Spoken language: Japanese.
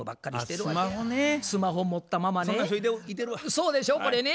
そうでしょこれね。